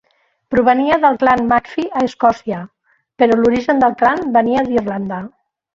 Provenia del clan Macfie a Escòcia, però l'origen del clan venia d'Irlanda.